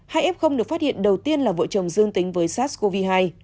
hai f được phát hiện đầu tiên là vợ chồng dương tính với sars cov hai